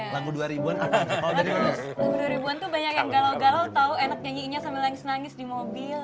lagu dua ribu an tuh banyak yang galau galau tau enak nyanyinya sambil nangis nangis di mobil